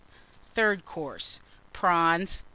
Third Course. Prawns.